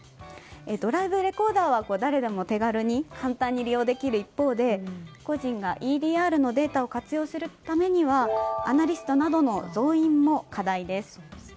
ドライブレコーダーは誰でも手軽に簡単に利用できる一方で個人がＥＤＲのデータを活用するためにはアナリストなどの増員も課題です。